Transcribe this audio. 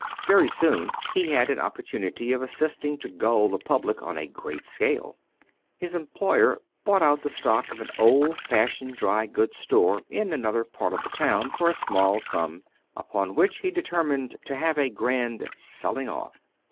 Very soon he had an opportunity of assisting to gull the public on a great scale. His employer bought out the stock of an old fashioned dry goods store in another part of the town for a small sum; upon which he determined to have a grand "selling off."